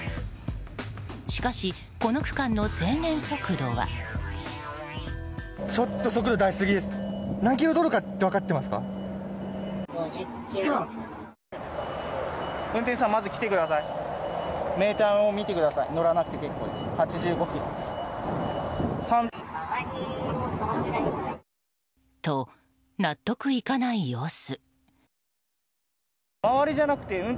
しかし、この区間の制限速度は。と、納得いかない様子。